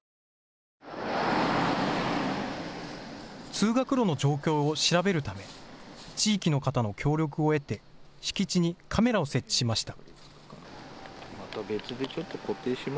通学路の状況を調べるため地域の方の協力を得て敷地にカメラを設置しました。